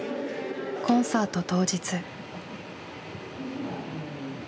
コンサート当日。